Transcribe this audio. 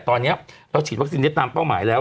ตอนนี้เราฉีดวัคซีนได้ตามเป้าหมายแล้ว